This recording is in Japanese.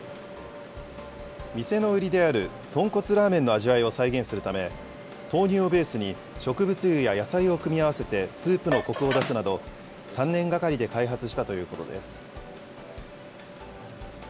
店の売りである豚骨ラーメンの味わいを再現するため、豆乳をベースに植物油や野菜を組み合わせてスープのこくを出すなど、３年がかりで開発したということです。